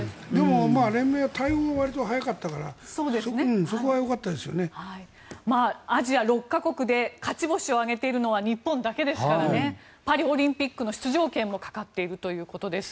協会は対応が早かったからアジア６か国で勝ち星を挙げているのは日本だけですからパリオリンピックの出場権もかかっているということです。